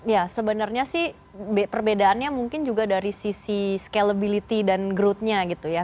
ya sebenarnya sih perbedaannya mungkin juga dari sisi scalability dan growth nya gitu ya